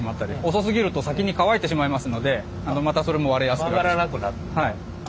遅すぎると先に乾いてしまいますのでまたそれも割れやすくなってしまう。